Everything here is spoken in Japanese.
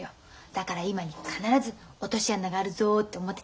だから今に必ず落とし穴があるぞって思ってた。